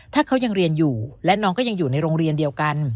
ถ้าเขายังเรียนอยู่และน้องก็ยังอยู่ในโรงเรียนเดียวกัน